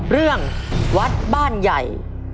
เรื่องวัดบ้านใหญ่